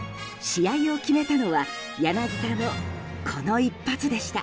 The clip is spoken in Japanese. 試合を決めたのは柳田のこの一発でした。